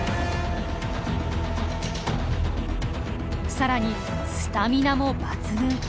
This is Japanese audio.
更にスタミナも抜群！